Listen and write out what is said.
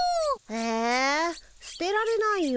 えすてられないよ。